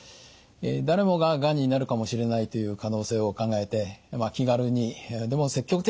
誰もががんになるかもしれないという可能性を考えて気軽にでも積極的にですね